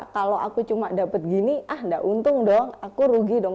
kalau aku cuma dapat gini ah nggak untung dong aku rugi dong